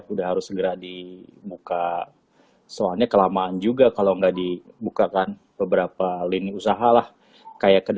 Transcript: udah harus segera dibuka soalnya kelamaan juga kalau nggak dibukakan beberapa lini usahalah kayak